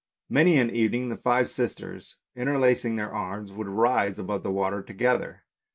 Many an evening the five sisters interlacing their arms would rise above the water together.